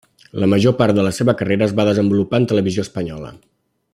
La major part de la seva carrera es va desenvolupar en Televisió Espanyola.